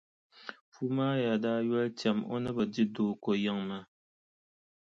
Puumaaya daa yoli tɛm o ni bi di Dooko yiŋa maa.